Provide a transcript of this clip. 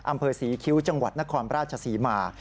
อำเภอศรีคิ้วจังหวัดนครราชศรีมา